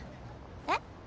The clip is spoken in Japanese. えっ？